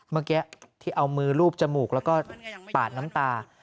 เมื่อกี้ที่เอามือรูปจมูกแล้วก็ปาดน้ำตา